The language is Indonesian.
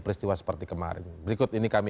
peristiwa seperti kemarin berikut ini kami